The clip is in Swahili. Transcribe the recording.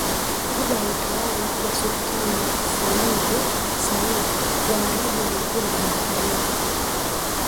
kabla ya utawala wa sulutani seyyid said Waarabu walikuwa wamefaulu